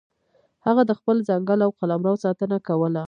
هغه د خپل ځنګل او قلمرو ساتنه کوله.